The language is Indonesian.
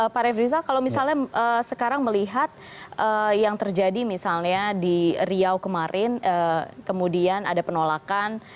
pak refriza kalau misalnya sekarang melihat yang terjadi misalnya di riau kemarin kemudian ada penolakan